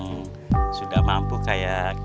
jadi ketika ada kesempatan kenapa nggak di lakuin